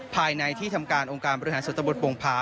ภายในที่ทำการองค์การบริหารส่วนตะบนปวงภา